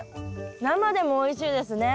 生でもおいしいですね。